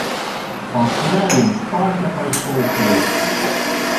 Пасля ён шпарка пайшоў к лесу.